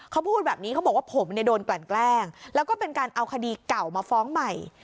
เขาพูดแบบนี้เขาบอกว่าผมเนี่ยโดนกลั่นแกล้งแล้วก็เป็นการเอาคดีเก่ามาฟ้องใหม่